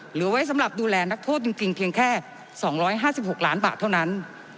เหลือไว้สำหรับดูแลนักโทษจริงเพียงแค่๒๕๖ล้านบาทเท่านั้น